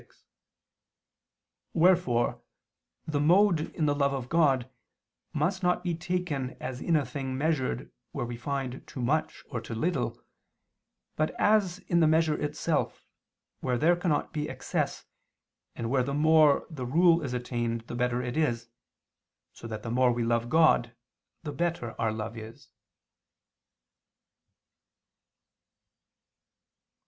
6), wherefore the mode in the love of God, must not be taken as in a thing measured where we find too much or too little, but as in the measure itself, where there cannot be excess, and where the more the rule is attained the better it is, so that the more we love God the better our love is.